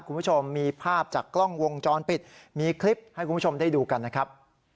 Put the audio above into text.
คุณผู้ชมมีภาพจากกล้องวงจรปิดมีคลิปให้คุณผู้ชมได้ดูกันนะครับ